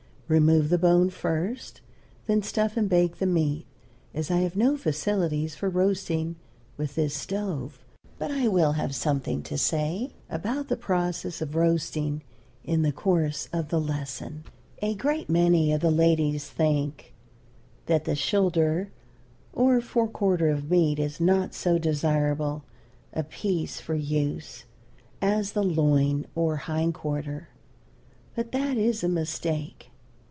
Remove the bone first, then stuff and bake the meat, as I have no facilities for roasting with this stove; but I will have something to say about the process of roasting in the course of the lesson. A great many of the ladies think that the shoulder or fore quarters of meat is not so desirable a piece for use as the loin or hind quarter, but that is a mistake.